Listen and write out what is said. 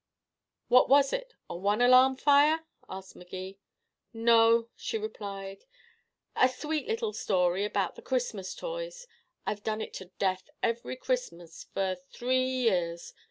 "What was it a one alarm fire?" asked Magee. "No," she replied, "a sweet little story about the Christmas toys. I've done it to death every Christmas for three years.